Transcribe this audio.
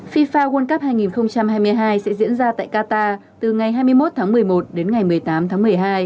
fifa world cup hai nghìn hai mươi hai sẽ diễn ra tại qatar từ ngày hai mươi một tháng một mươi một đến ngày một mươi tám tháng một mươi hai